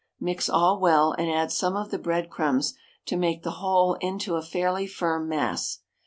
Mix all well, and add some of the breadcrumbs to make the whole into a fairly firm mass.